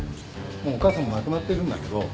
もうお母さんも亡くなってるんだけど。